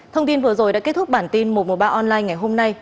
thông tin vừa rồi đã kết thúc bản tin một trăm một mươi ba online ngày hôm nay